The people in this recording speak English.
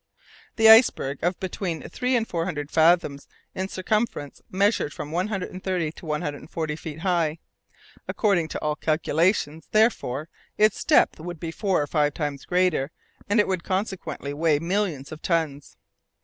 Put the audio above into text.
This iceberg of between three and four hundred fathoms in circumference measured from 130 to 140 feet high. According to all calculations, therefore, its depth would be four or five times greater, and it would consequently weigh millions of tons.